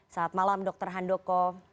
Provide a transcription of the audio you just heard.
selamat malam dokter handoko